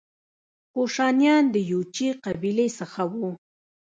کوشانیان د یوچي قبیلې څخه وو